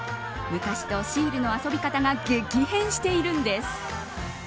昔とシールの遊び方が激変しているんです。